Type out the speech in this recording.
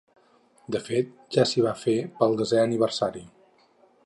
De fet ja s’hi va fer pel desè aniversari.